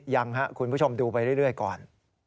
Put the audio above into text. ยังครับคุณผู้ชมดูไปเรื่อยก่อน